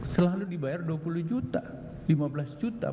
selalu dibayar dua puluh juta lima belas juta